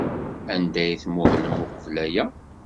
Anda ay tmuhlem uqbel aya?